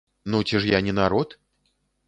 Ну ці ж я не народ?